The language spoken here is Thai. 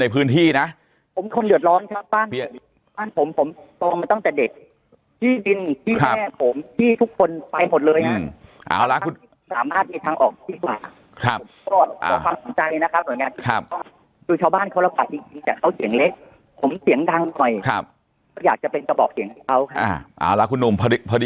วันนี้คุณหนุ่มไปต่างจังหวัด